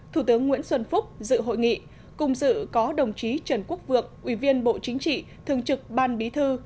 thủ tướng nguyễn xuân phúc dự hội nghị cùng dự có đồng chí trần quốc vượng ủy viên bộ chính trị thường trực ban bí thư